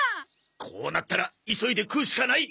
こうなったら急いで食うしかない。